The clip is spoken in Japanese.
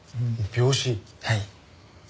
はい。